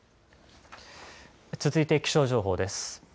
続いて気象情報です。